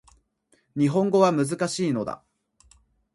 日本語は難しいのだ